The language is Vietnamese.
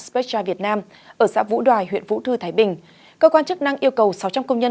spa việt nam ở xã vũ đoài huyện vũ thư thái bình cơ quan chức năng yêu cầu sáu trăm linh công nhân